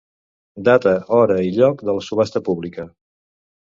Data, hora i lloc de la subhasta pública.